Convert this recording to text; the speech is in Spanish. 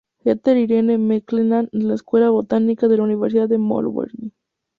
Ethel Irene McLennan de la Escuela de botánica en la Universidad de Melbourne.